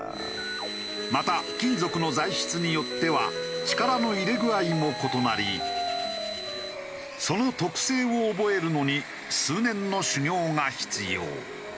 また金属の材質によっては力の入れ具合も異なりその特性を覚えるのに数年の修業が必要。